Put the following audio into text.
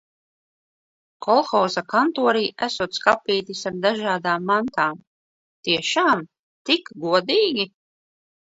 Kolhoza kantorī esot skapītis ar dažādām mantām. Tiešām? Tik godīgi?